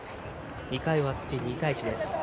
２回終わって２対１です。